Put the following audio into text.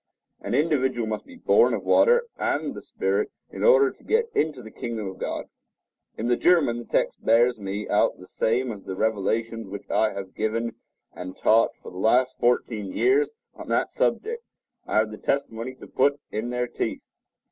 An individual must be born of water and the Spirit in order to get into the kingdom of God. In the German, the text bears me out the same as the revelations which I have given and taught for the last fourteen years on that subject. I have the testimony to put in their teeth.